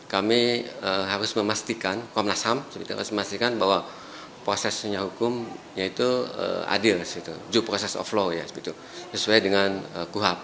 kami harus memastikan komnas ham harus memastikan bahwa prosesnya hukum yaitu adil due process of law sesuai dengan kuhap